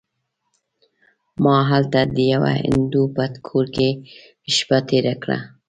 ما هلته د یوه هندو په کور کې شپه تېره کړه.